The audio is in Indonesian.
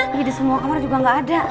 gak ada di semua kamar juga gak ada